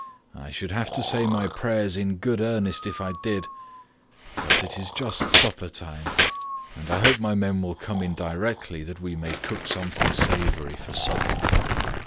I should have to say my prayers in good earnest if I did; but it is just supper time and I hope my men will come in directly, that we may cook something savoury for supper."